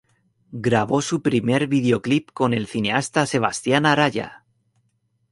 Grabó su primer video clip con el cineasta Sebastián Araya.